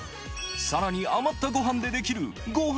さらに余ったご飯で出来るご飯